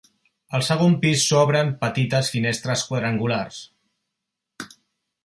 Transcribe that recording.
Al segon pis s'obren petites finestres quadrangulars.